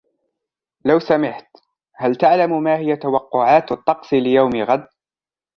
لو سمحت ، هل تعلم ما هي توقعات الطقس ليوم غد ؟